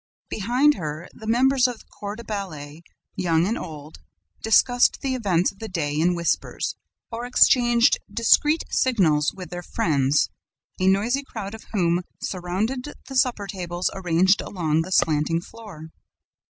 Behind her, the members of the Corps de Ballet, young and old, discussed the events of the day in whispers or exchanged discreet signals with their friends, a noisy crowd of whom surrounded the supper tables arranged along the slanting floor.